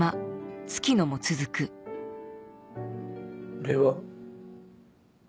俺は。